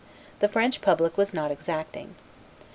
the French public was not exacting.